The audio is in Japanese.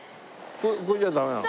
これじゃダメなの？